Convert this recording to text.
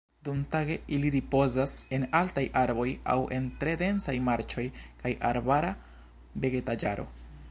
Dumtage ili ripozas en altaj arboj aŭ en tre densaj marĉoj kaj arbara vegetaĵaro.